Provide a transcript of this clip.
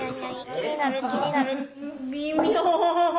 気になる気になる。